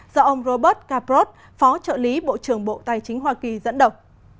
do ông robert caprot phó trợ lý bộ trưởng bộ tài chính hoa kỳ dẫn đầu